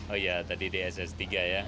oh iya tadi di ss ketiga ya